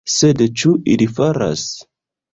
Sed ĉu ili faras?